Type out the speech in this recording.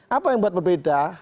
apa yang membuat berbeda